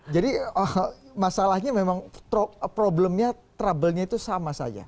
jadi masalahnya memang problemnya trouble nya itu sama saja